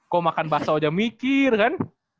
kok makan bakso aja mikir kan